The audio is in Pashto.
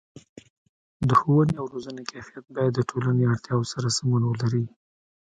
د ښوونې او روزنې کیفیت باید د ټولنې اړتیاو سره سمون ولري.